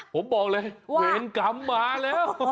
ผมบอกเลยเวรกรรมมาแล้ว